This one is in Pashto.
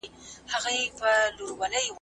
هغه څوک چي کالي مينځي روغ وي؟!